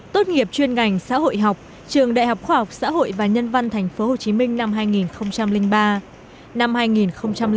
tốt nghiệp chuyên ngành xã hội học trường đại học khoa học xã hội và nhân văn tp hcm năm hai nghìn ba